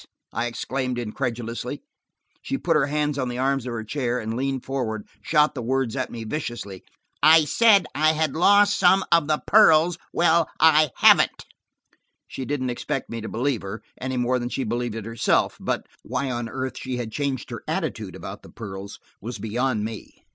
I exclaimed incredulously. She put her hands on the arms of her chair, and leaning forward, shot the words at me viciously. "I–said–I–had–lost–some–of–the–pearls–well–I–haven't." She didn't expect me to believe her, any more than she believed it herself. But why on earth she had changed her attitude about the pearls was beyond me.